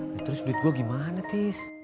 nah terus duit gue gimana tis